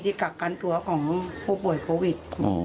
ที่กักกันตัวของพวกป่วยโควิด